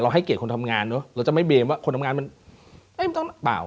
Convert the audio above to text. ให้เกียรติคนทำงานเนอะเราจะไม่เบมว่าคนทำงานมันต้องเปล่า